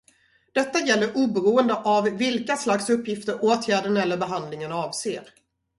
Detta gäller oberoende av vilka slags uppgifter åtgärden eller behandlingen avser.